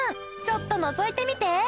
ちょっとのぞいてみて。